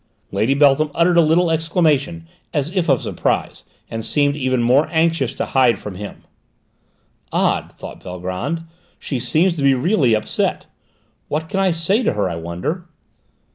Lady Beltham uttered a little exclamation as if of surprise, and seemed even more anxious to hide from him. "Odd!" thought Valgrand. "She seems to be really upset; what can I say to her, I wonder?"